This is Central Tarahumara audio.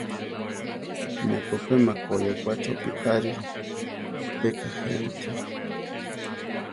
Ne ko pe makói okwá chopí ariru, pe kajéamtiri.